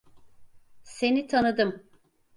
Seni tanıdım.